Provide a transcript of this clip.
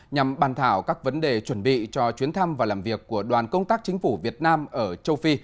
nhằm bàn thảo các vấn đề chuẩn bị cho chuyến thăm và làm việc của đoàn công tác chính phủ việt nam ở châu phi